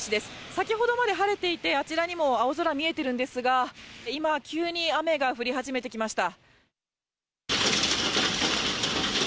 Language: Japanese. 先ほどまで晴れていて、あちらにも青空見えてるんですが、今、急に雨が降り始めてきました。